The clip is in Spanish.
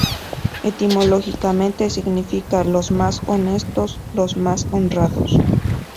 Etimológicamente significa "los más honestos, los más honrados".